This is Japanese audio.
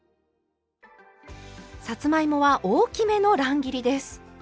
さつまいもは大きめの乱切りです。